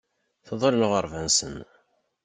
Tḍul lɣerba-nsen.